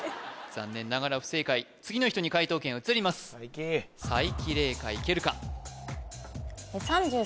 残念ながら不正解次の人に解答権移ります才木玲佳いけるか？